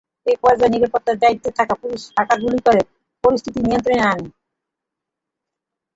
একপর্যায়ে নিরাপত্তার দায়িত্বে থাকা পুলিশ ফাঁকা গুলি করে পরিস্থিতি নিয়ন্ত্রণে আনে।